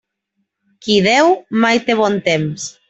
Qui deu, mai té bon temps.